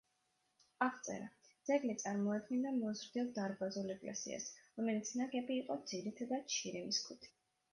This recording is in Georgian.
აღწერა: ძეგლი წარმოადგენდა მოზრდილ დარბაზულ ეკლესიას, რომელიც ნაგები იყო ძირითადად შირიმის ქვით.